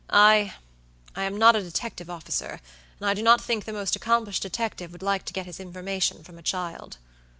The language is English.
II am not a detective officer, and I do not think the most accomplished detective would like to get his information from a child."